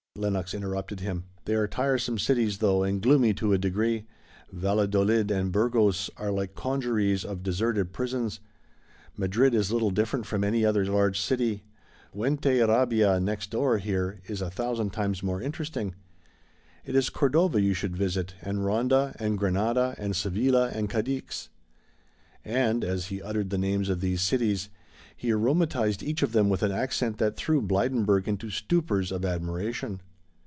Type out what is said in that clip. Lenox interrupted him. "They are tiresome cities though, and gloomy to a degree. Valladolid and Burgos are like congeries of deserted prisons, Madrid is little different from any other large city. Fuenterrabia, next door here, is a thousand times more interesting. It is Cordova you should visit and Ronda and Granada and Sevilla and Cadix." And, as he uttered the names of these cities, he aromatized each of them with an accent that threw Blydenburg into stupors of admiration.